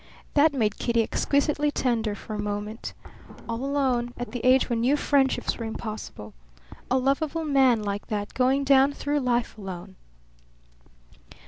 That made Kitty exquisitely tender for a moment. All alone, at the age when new friendships were impossible. A lovable man like that going down through life alone!